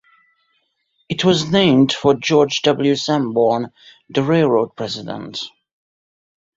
It was named for George W. Sanborn, the railroad president.